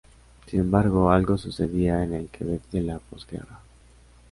Sin embargo, algo sucedía en el Quebec de la posguerra.